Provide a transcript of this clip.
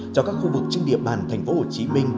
cho các khu vực trên địa bàn tp hcm